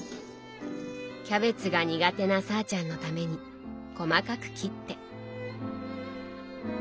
キャベツが苦手なさぁちゃんのために細かく切って。